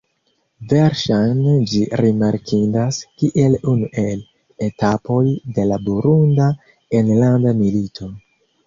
Verŝajne, ĝi rimarkindas kiel unu el etapoj de la Burunda enlanda milito.